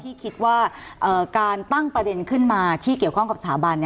ที่คิดว่าการตั้งประเด็นขึ้นมาที่เกี่ยวข้องกับสถาบัน